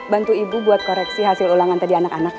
bantu ibu buat koreksi hasil ulangan tadi anak anak